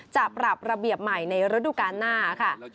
จะปรับระเบียบใหม่ในฤดูกาลหน้าค่ะ